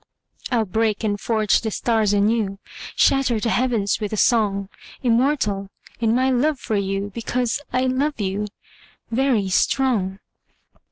I'll break and forge the stars anew, Shatter the heavens with a song; Immortal in my love for you, Because I love you, very strong.